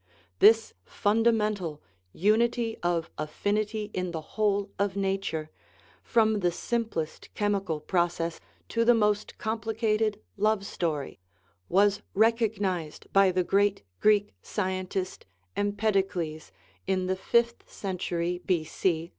This fundamental unity of affinity in the whole of nature, from the simplest chemical process to the most complicated love story, was recognized by the great Greek scientist, Empedocles, in the fifth cen tury B.C.